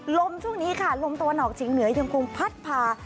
ลมช่วงนี้ค่ะลมตวนออกถึงเหนือยังคงพัดผ่า